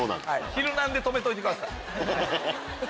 『ヒルナン』で止めといてください。